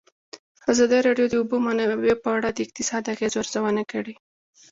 ازادي راډیو د د اوبو منابع په اړه د اقتصادي اغېزو ارزونه کړې.